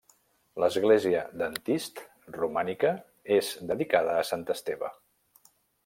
L'església d'Antist, romànica, és dedicada a sant Esteve.